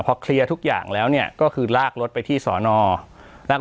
พอเคลียร์ทุกอย่างแล้วเนี่ยก็คือลากรถไปที่สอนอแล้วก็